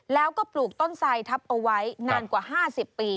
แล้วก็ปลูกต้นทรายทับเอาไว้นานกว่า๕๐ปี